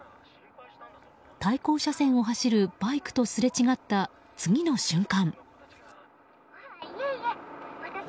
対向車線を走るバイクとすれ違った次の瞬間。